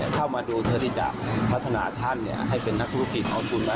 เข้ามาดูเพื่อที่จะพัฒนาท่านให้เป็นนักธุรกิจของคุณ